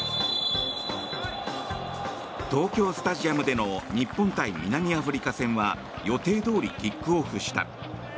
東京スタジアムでの日本対南アフリカ戦は予定どおりキックオフした。